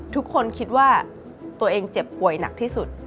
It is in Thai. ทุกคนคิดว่าตัวเองเจ็บป่วยหนักที่สุด